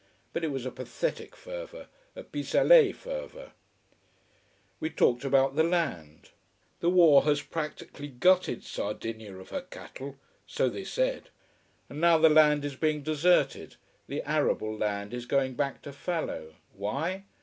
But it was a pathetic fervour: a pis aller fervour. We talked about the land. The war has practically gutted Sardinia of her cattle: so they said. And now the land is being deserted, the arable land is going back to fallow. Why?